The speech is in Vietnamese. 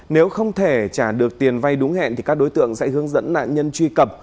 nếu không thể trả được tiền vay đúng hẹn thì các đối tượng sẽ hướng dẫn nạn nhân truy cập